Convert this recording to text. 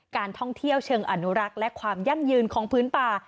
การท่องเที่ยวเชิงอนุรักษ์และความยั่งยืนของพื้นป่า